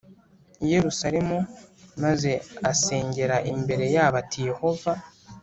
I yerusalemu maze asengera imbere yabo ati yehova